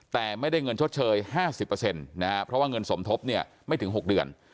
แต่ไม่ได้เงินชดเชย๕๐นะครับเพราะว่าเงินสมทบเนี่ยไม่ถึง๖เดือน